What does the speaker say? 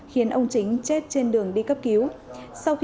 khiến ông chính chết trên đường đi cấp cứu